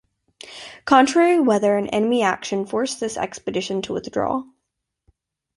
Contrary weather and enemy action forced this expedition to withdraw.